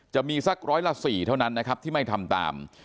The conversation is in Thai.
จะมีสักร้อยละ๔เท่านั้นนะครับที่ไม่ทำตาม